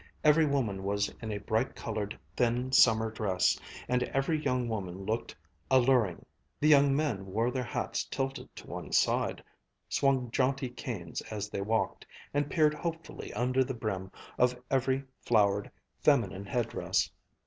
Every woman was in a bright colored, thin summer dress, and every young woman looked alluring. The young men wore their hats tilted to one side, swung jaunty canes as they walked, and peered hopefully under the brim of every flowered feminine headdress.